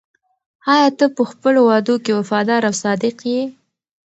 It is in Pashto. آیا ته په خپلو وعدو کې وفادار او صادق یې؟